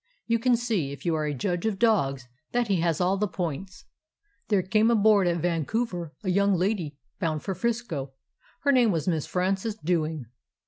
You can see, if you are a judge of dogs, that he has all the points. There came aboard at Vancouver a young lady bound for 'Frisco. Her name was Miss Frances Dewing.